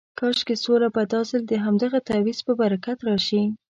کاشکې سوله به دا ځل د همدغه تعویض په برکت راشي.